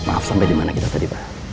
maaf sampai dimana kita tadi bahas